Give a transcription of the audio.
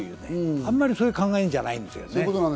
あんまりそういう考えじゃないんですよね。